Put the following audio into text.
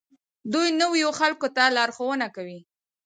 دوی نویو خلکو ته لارښوونه کوي.